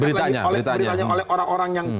beritanya oleh orang orang yang